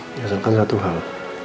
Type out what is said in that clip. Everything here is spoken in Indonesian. biasakan satu hal